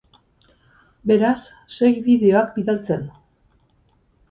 Beraz, segi bideoak bidaltzen.